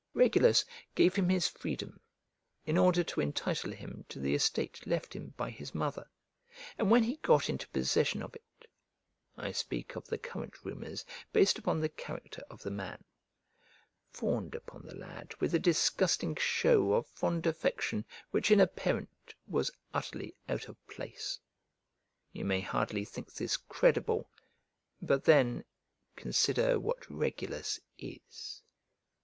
Regulus gave him his freedom, in order to entitle him to the estate left him by his mother; and when he got into possession of it, (I speak of the current rumours, based upon the character of the man,) fawned upon the lad with a disgusting shew of fond affection which in a parent was utterly out of place. You may hardly think this credible; but then consider what Regulus is.